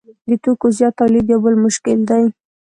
د توکو زیات تولید یو بل مشکل دی